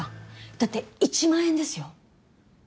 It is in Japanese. だって１万円ですよ。